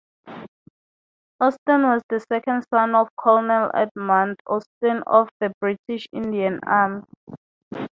Austin was the second son of Colonel Edmund Austin of the British Indian Army.